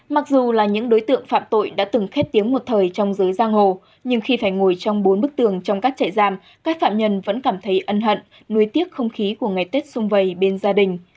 mặc dù là những đối tượng phạm tội đã từng khét tiếng một thời trong giới giang hồ nhưng khi phải ngồi trong bốn bức tường trong các trại giam các phạm nhân vẫn cảm thấy ân hận nuôi tiếc không khí của ngày tết xung vầy bên gia đình